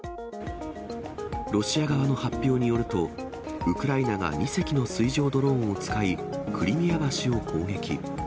ロシア側の発表によると、ウクライナが２隻の水上ドローンを使い、クリミア橋を攻撃。